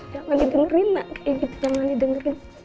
jangan didengerin nak kayak gitu jangan didengerin